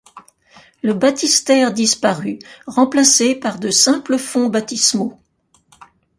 Le baptistère disparut, remplacé par de simples fonts baptismaux.